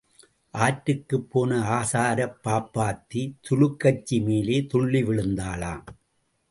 ஆற்றுக்குப் போன ஆசாரப் பாப்பாத்தி துலுக்கச்சி மேலே துள்ளி விழுந்தாளாம்.